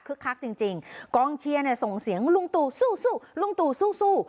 คลิกคลักจริงกล้องเชียร์ส่งเสียงลุงตูสู้